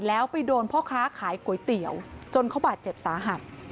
แล้วไปโดนพ่อค้าขายก๋วยเตี๋ยวจนเขาบาดเจ็บสาหัส